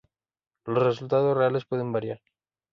Los resultados reales pueden variar.